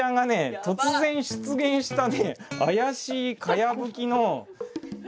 突然出現した怪しいかやぶきの。